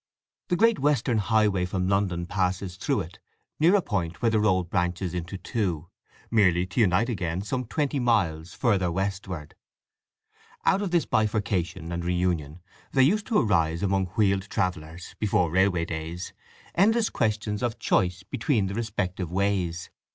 The great western highway from London passes through it, near a point where the road branches into two, merely to unite again some twenty miles further westward. Out of this bifurcation and reunion there used to arise among wheeled travellers, before railway days, endless questions of choice between the respective ways.